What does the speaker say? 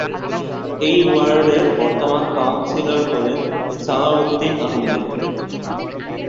এ ওয়ার্ডের বর্তমান কাউন্সিলর হলেন সালাহউদ্দিন আহমেদ।